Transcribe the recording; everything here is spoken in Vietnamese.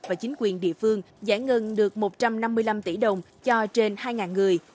và chính quyền địa phương giả ngưng được một trăm năm mươi năm tỷ đồng cho trên hai người